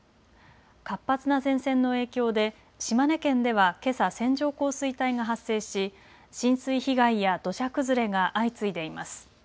活発な前線の影響で島根県ではけさ線状降水帯が発生し浸水被害や土砂崩れが相次いでいます。